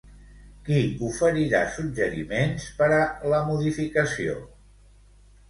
Qui oferirà suggeriments per a la modificació?